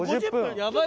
やばい！